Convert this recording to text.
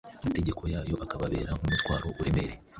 amategeko Yayo akababera nk’umutwaro uremereye.